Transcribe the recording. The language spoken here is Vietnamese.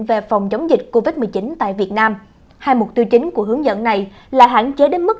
về phòng chống dịch covid một mươi chín tại việt nam hai mục tiêu chính của hướng dẫn này là hạn chế đến mức